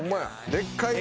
でっかいね。